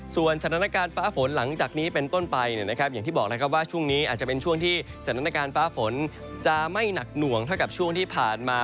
ส่วนสถานการณ์ฟ้าฝนหลังจากนี้เป็นต้นไปอย่างที่บอกแล้วครับว่าช่วงนี้อาจจะเป็นช่วงที่สถานการณ์ฟ้าฝนจะไม่หนักหน่วงเท่ากับช่วงที่ผ่านมา